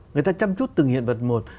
người ta chăm chút từng hiện vật một